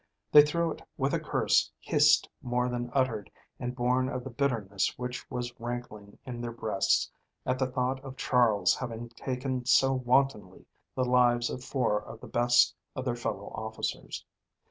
They threw it with a curse hissed more than uttered and born of the bitterness which was rankling in their breasts at the thought of Charles having taken so wantonly the lives of four of the best of their fellow officers.